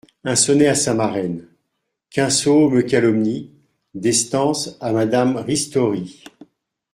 Un Sonnet à sa Marraine : «Qu'un sot me calomnie …» Des Stances à Madame Ristori.